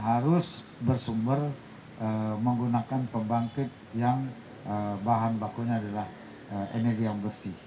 harus bersumber menggunakan pembangkit yang bahan bakunya adalah energi yang bersih